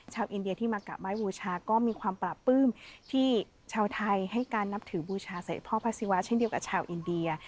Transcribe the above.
อินเดียที่มากราบไห้บูชาก็มีความปราบปลื้มที่ชาวไทยให้การนับถือบูชาใส่พ่อพระศิวะเช่นเดียวกับชาวอินเดีย